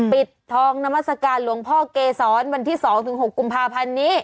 ปิดทองนามัศกาลหลวงพ่อเกษรวันที่๒๖กุมภาพันธ์นี้